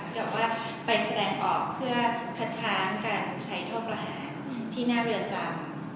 แบบว่าไปแสดงออกเพื่อคัดค้านการใช้โทษประหารที่หน้าเรือนจำ